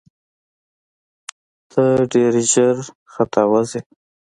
ته ډېر ژر ختاوزې !